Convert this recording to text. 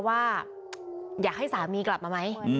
ว่าอยากให้สามีกลับมาไหม